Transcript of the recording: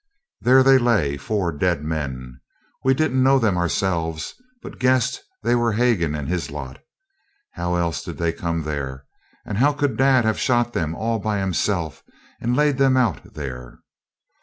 There they lay, four dead men. We didn't know them ourselves, but guessed they were Hagan and his lot. How else did they come there? and how could dad have shot them all by himself, and laid them out there?